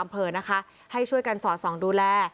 อำเภอนะคะให้ช่วยกันสอดส่องดูแล